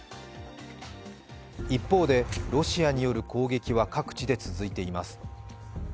一方でロシアによる攻撃は各地で続いています。